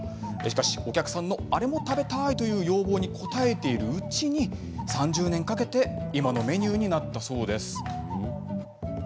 しかし、お客さんのあれも食べたいという要望に応えているうちに３０年かけて今のメニューになったそうです。